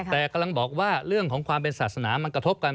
แต่กำลังบอกว่าเรื่องของความเป็นศาสนามันกระทบกัน